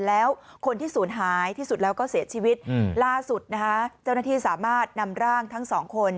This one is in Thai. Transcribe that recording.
แล้วคนที่ศูนย์หายที่สุดแล้วก็เสียชีวิตล่าสุดนะคะเจ้าหน้าที่สามารถนำร่างทั้งสองคน